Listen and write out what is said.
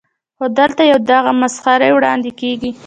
خو دلته یوه داسې مسخره وړاندې کېږي.